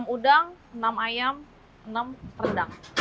enam udang enam ayam enam rendang